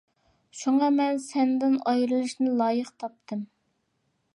شۇڭا مەن سەندىن ئايرىلىشنى لايىق تاپتىم.